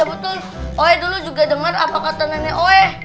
betul oe dulu juga dengar apa kata nenek oe